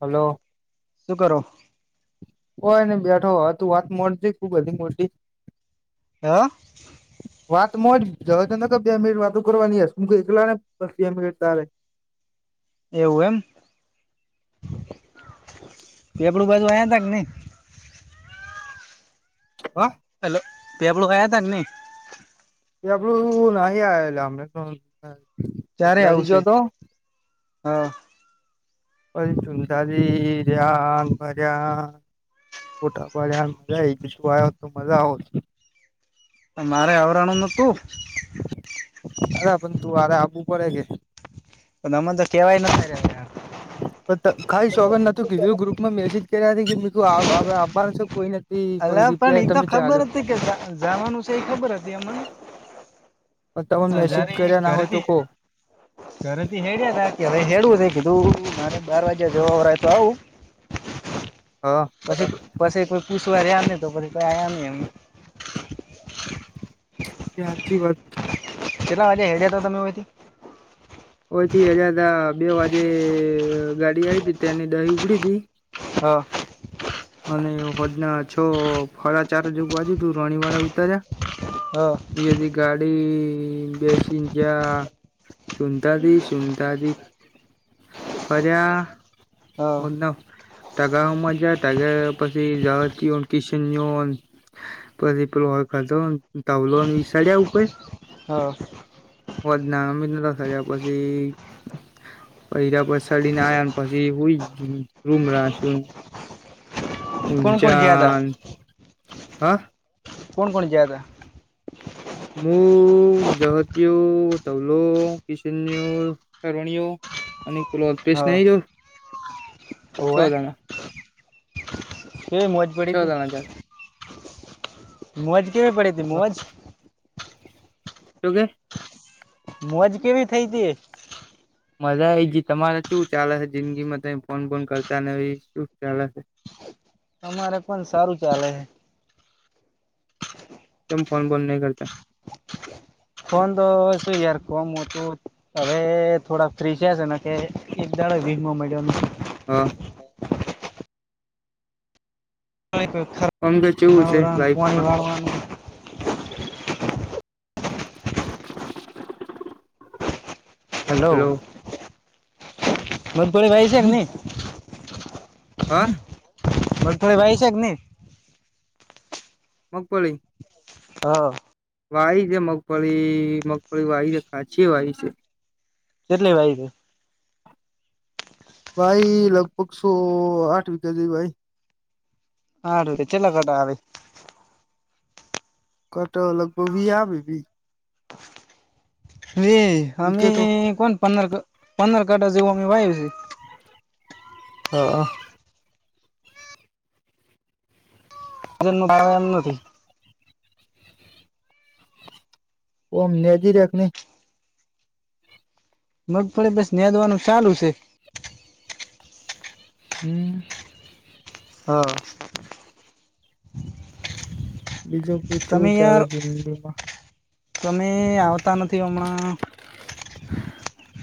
Hello શું કરો? હોય ને બેઠો હો, તું વાત મો જ ખુબ બધી મોટી. હા? વાત મોજ જ તો ન બે મિનિટ વાતો કરવાની, હ હું એકલા ને બે મિનિટ તારે એવું એમ, પેપડું બાજુ આયા તા કે નઈ. હા. હેલો, પેપલુ ખાયા તા કે ની એ આપડું નાહિ આયેલા હમેતો ક્યારે આવશે દાજ્યો હતો હા પછી ચુન ત્યાજી ગ્યાન, ફર્યા ફોટા પડ્યા એજી જું આવ તો મજા આવોત મારે આવરાનુ નોતું. અરે પણ તું આરે આવવું પડે કે. ના મન તો કેવાય [unintelligible] ખાસ શોકર નથું કીધું ગ્રુપમાં મેસેજ કર્યા તે મેં કી આવ હવે આપવાનું છે કોઈ નથી કોઈ અલા પણ એ રિપ્લાય તો તમે ખબર ચાલો હતી કે જવાનું છે એ ખબર હતી અમને તમે મેસેજ જયારે કર્યા ના હોય તો ઘરેથી કો [inaudible] ઘરેથી હેડ્યા તકી હેડવું છે કીધું મારે બાર વાગ્યા જવા વાળય તો આવું [inaudible] હા પછી પછી કોઈ પૂછવા રહ્યા ની તો પછી કોઈ આયા ની એમ એ હાચી વાત કેટલા વાગે હેડયા તા તમે વયથી ઓ થી હજા હતા બે વાગે ગાડી આઈ હતી તે એની દહી ઉગડી તી હા અને વજના છો ફળા ચારજું બાજુ તું રણીવાડા ઉતાર્યા હ એદી ગાડી બેસીન જા સુુંતાજી સુુંતાજી ફર્યા હ ના ટકામજાર ટગર પછી [unintelligible] પછી પેલો હો ખાતો તાવલો વિસાડ ઉપર હા વધના [unintelligible] પછી પૈલા પછાડીને આવ્યાને પછી હુંઈ રૂમ રાખ્યું કોણ કોણ જયા તા ઊંજાન હા કોણ કોણ જ્યા તા હું જહતયું તવલો કિશન્યુર કરણઓ અને ક્લોથપેસ હ નહિ જું એ મજ છ જણા જાય મોજ કેવી પડી હતી મોજ તું કે મોજ કેવી થઈ તી મજા એ જ તમારે શું ચાલેશે જિંદગીમાં તમે ફોન ફોન કરતા ને એ શું ચાલેશે તમારે પણ સારું ચાલે હે કેમ ફોન બોન નહીં કરતા ફોન તો શું યાર [unintelligible] મોટુ હવે થોડા ફ્રી છે છે ને કે એક દાડ વીમો મળ્યો હા આમ કે [unintelligible] કેવું છે નવરા પણી લાઈફમાં વાળવા હેલો હલો મથોડી ભાઈ છે કે ની હા બગ થોડી ભાઈ છે કે ની મગફળી હા વાવી છે મગફળી મગફળી વાવી છે કાચી વાવી છે કેટલી વાઈ છે? ભાઈ લગભગ સો આઠ વિઘા જેવી વાઈ હારૂ ત છેલા ઘટા આવે કટ લગભગ ભી આમે બી વે અમે વીઘે તો હે કોણ પંનરક પંનર કઢ જેવું અમે વાયુ છે હાં [unintelligible] નથી ઓ લેનજી રાખ ને મગફળી બસ ન્યાધવાનું ચાલુ છે. [inaudible] હા. [inaudible] બીજું તમે કુચવું યાર ચાલે જિંદગી માં તમે આવતા નથી હમણાં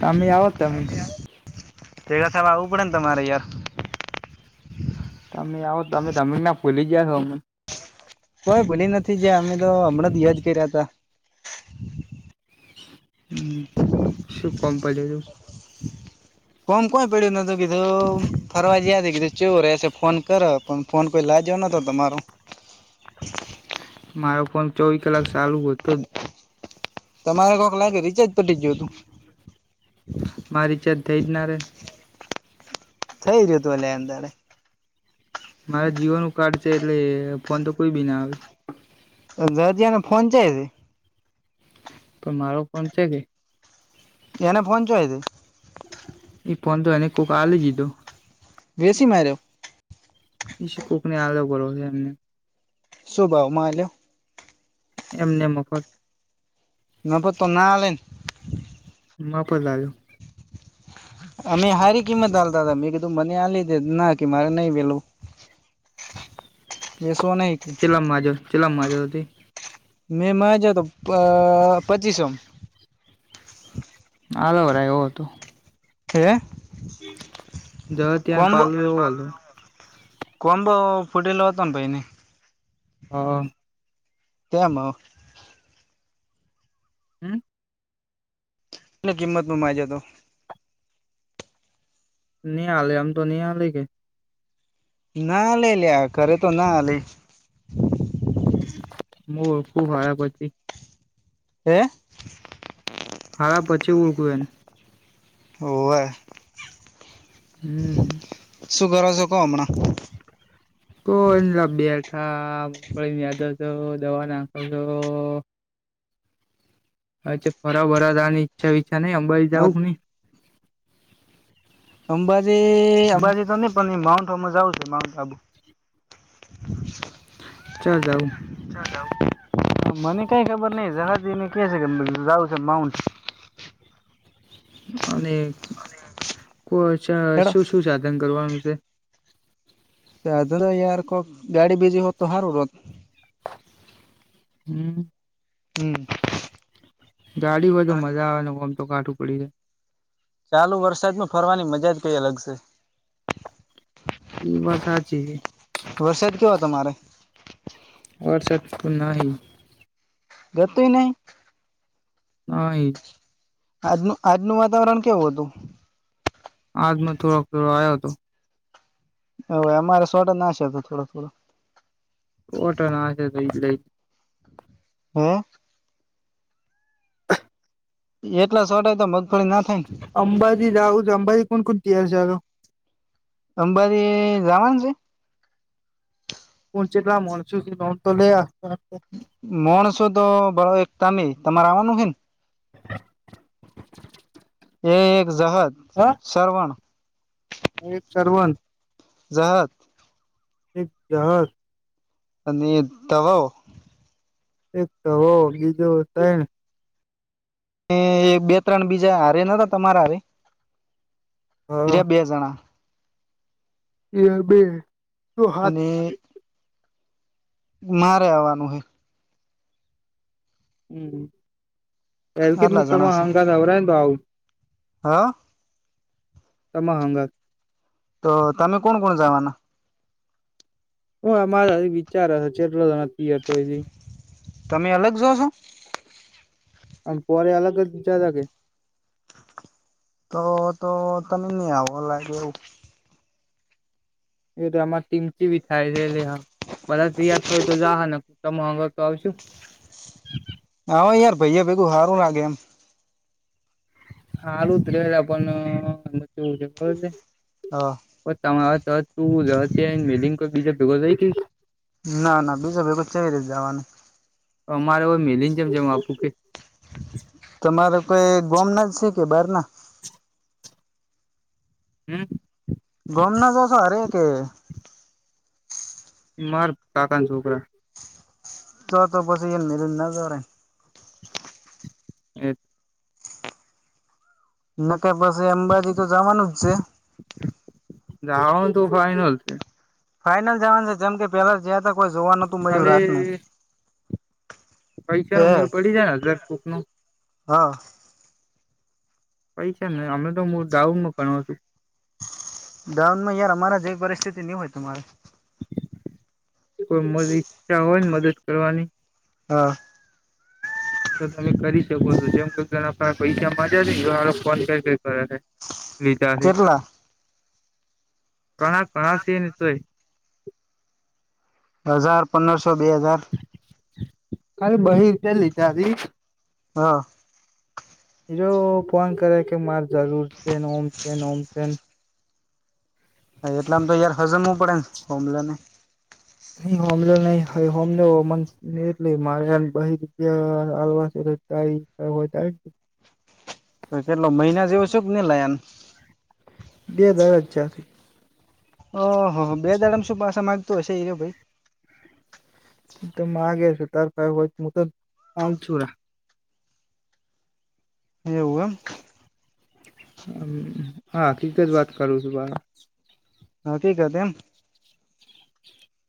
તમે આવો તમે [inaudible] તેેડાસાવા આવું પડે ને તમારે યાર તમે આવો તમે તમે ના ફૂલી ગયા છો અમન કોઈ ભૂલી નથી ગયા અમે તો હમણાં જ યાદ કર્યા હતા હમ્મ શું કોમ પડયુ તું કોમ કોઈ પેડીયું નતું કીધું ફરવા જયાતા કીધું ચેઉ રેશે ફોન કર પણ ફોન કોઈ લાગયો નતો તમારો મારો ફોન ચોવીસ કલાક ચાલુ હતો તમારે કોક લાગે રિચાર્જ પટી ગયો તું માર રીચાર્જ થઈ જ ના રે થઈ રહ્યું હતું અલ્યા એમ દાડે મારા જીઓનુ કાર્ડ છે એટલે ફોન તો કોઈ બી ના આવે રાજ્યા નો ફોન ચયા રયો પણ મારો ફોન છે કે એને ફોન ચોય હતો એ ફોન તો એને કોક ને આલી દીધો વેચી માર્યો એ કોકને આલયો કર્યો એમ શું ભાવમાં આલ્યો એમ નેમ મફત ના પ તો ના આલે ન મફત આલ્યુ અમે હારી કિંમત હાલતા તો મેં કીધું મને આલી દે ના કે મારે નહીં વેલું એ સો નઈ ચેલ્લા માગયા ચેલ્લા માગ્યા તે મેં માગ્યા તા પ પચીસોમાં આલવરાય એવો હતો. હે જયો ત્યાં કોમબો પાલવ એવો હતો કોમ્બો ફૂટેલો હતો ને ભાઈ ને હા હા તો એ મ હમ્મ. એટલે કિંમતમાં માગ્યો હતો. નિ હાલે આમ તો નિ હાલે કે એ ના હાલે લ્યા કરે તો ના હાલે હું ઊઠું ખારા પછી હે. હાળા પછી ઊઠું એને હોવે હમ્મ. શું કરો છો કો હમણાં કોઈને લા બેઠા કોઈને યાદો છો દવા નાખો છો અચ્છા ફરવા બરવા જવાની ઈચ્છા વિછા નઈ અંબાજી જાઉં કે નહી. અંબાજી હમ અંબાજી તો નઈ પણ માઉન્ટમાં જવું છે માઉન્ટ આબુ ચિયા જાઉ. મને કઈ ખબર નઈ જહાને કે છે કે જું છે માઉન્ટ અને કો હેડો શું શું સાધન કરવાનું છે. સાધન યાર કોક ગાડી બીજી હોત તો હારું રત. હમ્મ. હમ્મ. ગાડી હોય તો મજા આવે ને ઓમ તો કાટું પડી. ચાલુ વરસાદમાં ફરવાની મજા જ કઈ અલગ છે. એ વાત સાચી વરસાદ કેવો તમારે. વરસાદ તો નાહી. ગતુંઇ નહી. નઈ. આજનું આજનું વાતાવરણ કેવું હતું. આજમાં થોડોક થોડો આયો હતો. હવે અમારે સોટા નાખશે થોડા-થોડા. [unintelligible] હમ્મ. એટલા સોટાય તો મગફળી ના થાય ન. અંબાજી જાઉં તો અંબાજી કુણ-કુણ તિયાર ચાલો. અંબાજી જાવાનું છે. [unintelligible] મોણસો તો બરો એક તમે તમારે આવાનું હે ન. એક જહર. હ. શ્રવણ. એક શ્રવણ. જહર. એક જહર. અને તવો. એક તવો હો બીજું તૈણ. એ એ બે ત્રણ બીજા હારે ન તમારા હારે હા એ બે જણા. એ બે. હાથ અને. મારે આવવાનું હે. હમ્મ કેમ આટલા તમે હંગાત નવરા હેન તો આવું હ? તમા હંગાત. તો તમે કોણ કોણ જાવાના. હું અમારે હજી વિચાર હે ચેટલા જણા તિયાર થાય હજી. તમે અલગ જો છો. અમે પોરે અલગ ગ્યા લાગે. તો તો તને નહી આવહો લાગે એવું. એ તો અમાર ટીમચી ભી થાય છે એટલે હા. બધા તિયાર થાય તો જાય ને તો તમાર હંગાત તો આવશું. હા યાર ભૈયા ભેગું હારું લાગે એમ. હાલ ઉતરે પણ બજેટ કેવું છે ખબર છે. હા. [unintelligible] ના ના બીજ ભેગો ચઇ રીતે જવાનું. અમારે હો મીલીને જેમ-જેમ આપું કે. તમારે કોઈ ગોમ ના જ છે કે બાર ના? હમ ગોમ ના છો અરે કે માર કાકાન છોકરા. ચ તો બસ એન મિલ ના જરાય એ ના કે પછી અંબાજી તો જવાનું જ છે. જાવાન તો ફાઈનલ છે. ફાઈનલ જાવાનું છે જેમ કે પેલા જયા તા કોઈ જોવા નહતું મળ્યું રાતનું. ખાલી પૈસા નો એ મેર પડી જાય ને હજાર કૂક નો હા પૈસા ને અમે તો હું દાઉમાં ગણો છું. ડાઉનમાં યાર અમારા જેવી પરિસ્થિતિ ની હોય તમારે. કોઈ મરી ઈચ્છા હોય ને મદદ કરવાની હા તો તમે કરી શકો છો જેમ કે પેલા પૈસા માજા છે હારો ફોન કર કર કરેસે. લીધા છે. કેટલા કણા પાસ હેને તોય. હજાર પંદરસો બે હજાર કાલ બહી ચલી તારી હા ઈરો ફોન કરે કે માર જરૂર છેન ઓમ છેન ઓમ છે. હા એટલે આમ તો યાર હજમવું પડે ને હોમલે ને ન હોમલો નહી હોમલો મ એટલે મારે બહી રૂપિયા આવવા તેરે કાઇ હ હોય તો તો કેટલો મહિના જેવો છ કે નહી લાયાન બે દારા જ થ્યા. ઓહ હ હ બે દાડામાં શું પાછા માંગતું હશે એ ભાઈ તો માગે છે તાર કાઈ હોય મોકલ પાનસોરા. એવું એમ હા હકીકત જ વાત કરું છું બ હકીકત એમ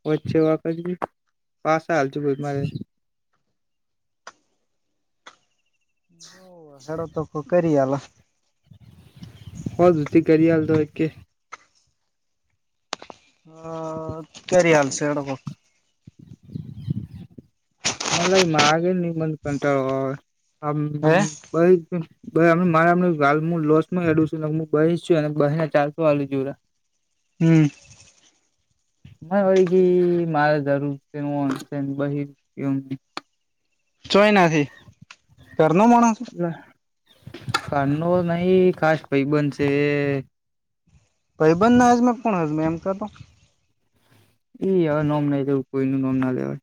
વચ્ચે વખત બી પાસા હાલતી ભાઈ મારે [unintelligible] હેડો તો કોક કરી આલો હોલ ધધ કરીયાલ તો એ કે હ કેયારે આલ સે એડો હોક મલ માગે એ મન કંટાળો હે આવે બ હમ મારેમ હાલ હું લોસ માં હેડુ છું મુ બહીસ છું અને બને ચારસો આલે જોહે હમ મને વળ ગી મારા જરૂર છેન છે બહેન ચોય નથી ઘર નો માણ સ ખનો નહી ખાસ ભૈબંધ છે. ભૈબંધ નાજ મે કોણ હજ મે એમ કેતો એ હવે નોમ નઈ દેવું કોઈ નુ નોમ ના લેવાય.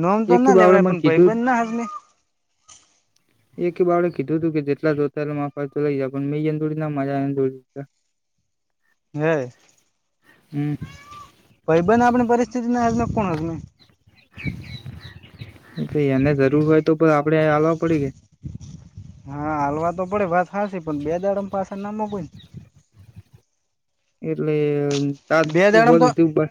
નોમ તો એક ના બાવળે લેવરાય મને પણ કીધું ભૈબંધ ના હાજમે. એકી બાળે કીધું હતું કે જેટલા જોતાલે માપા તો લઈ જાય પણ મેયેનદોડી ના મજા દોડી હે હમ ભયબંધ આપણી પરિસ્થિતિ ના હજમે કોણ હજમે. એને જરૂર હોય તો આપડે હાલવા પડી ગઈ હા હાલવા તો પડે વાત હાસી પણ બે દાડમ પાસે ના મુકીને એટલે એ બે તાતું દાડામાં હોલ તો તું પર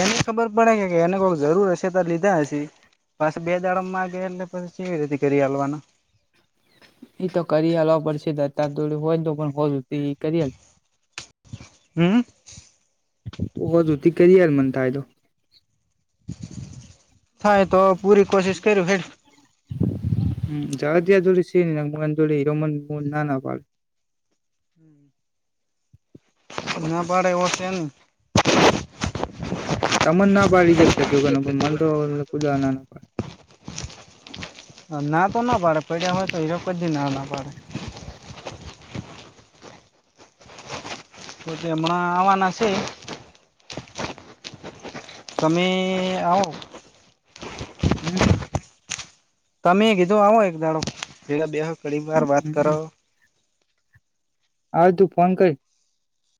એને ખબર પડે કે કે એને કોક જરૂર હશે તો લીધા હશે. પાછ બે દાડામા માંગેય એટલે પછી કેવી રીતે કરી આલવાનું. એ તો કરી હાલવા પડશે દત્તા દોળ હોય ને તો પણ હો કરી હમ. તો જોતી કરી આલ મન થાય તો થાય તો પૂરી કોશિશ કર્યું હે. હમ જ્યા જોડી સે મગન જોડી હમન ના ના પાળું. [inaudible] ના પાડે ઓ છે ને તમન ના પાડી શકતા છોનું મન તો કુદ ના પાડ ના તો ના પાડે પડ્યા હોય તો હીરા જથી ના ના પાડે તો હમણા આવવાના છે. તમે આવો. હમ. તમે કીધું આવો એક દાડો પેલા બે ઘડી વાર વાત હમ કરો આવ તું ફોન કર